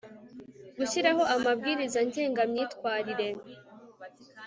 gushyiraho amabwiriza ngengamyitwarire